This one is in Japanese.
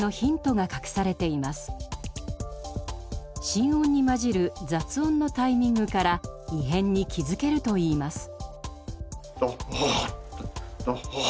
心音に混じる雑音のタイミングから異変に気づけるといいます。